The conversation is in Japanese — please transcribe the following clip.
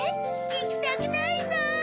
いきたくないぞ！